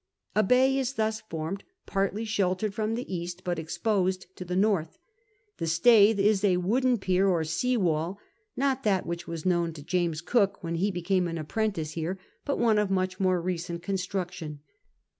A bay is thus formed, partly sheltered from the east, but exposed to the north. " The Staithe" is a wooden pier or sea wall, not that which was known to James Cook when ho became an apprentice here, but one of much more recent construction.